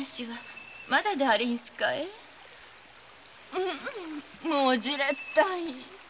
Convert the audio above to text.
うんもうじれったい！